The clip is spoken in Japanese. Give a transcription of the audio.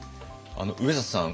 上里さん